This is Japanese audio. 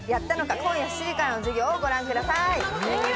今夜７時からの『授業』をご覧ください。